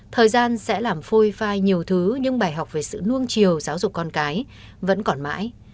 thời gian sẽ làm phôi phai nhiều thứ nhưng bài học về sự nông chiều giáo dục con cái vẫn còn mãi